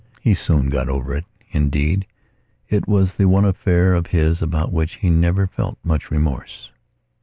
He soon got over it. Indeed, it was the one affair of his about which he never felt much remorse.